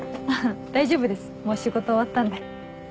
大丈夫ですもう仕事終わったんで。